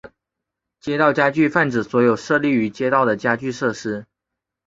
街道家具泛指所有设立于街道的家具设施。